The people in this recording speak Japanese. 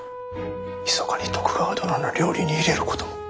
ひそかに徳川殿の料理に入れることも。